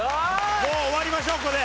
もう終わりましょうここで。